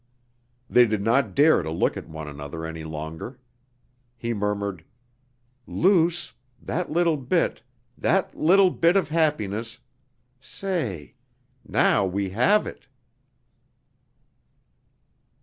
They did not dare to look at one another any longer. He murmured: "Luce! That little bit ... that little bit of happiness ... say, now we have it!"